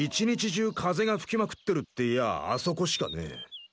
１日中風が吹きまくってるっていやああそこしかねえ。